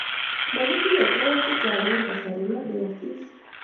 makitinye toek chechang eng kasari lolei asis